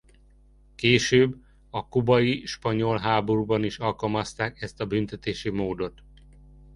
Később a kubai-spanyol háborúban is alkalmazták ezt a büntetési módot.